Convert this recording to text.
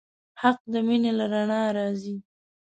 حق د مینې له رڼا راځي.